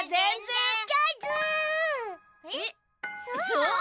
そう？